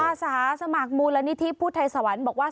อาสาสมัครมูลนิธิพุทธไทยสวรรค์บอกว่า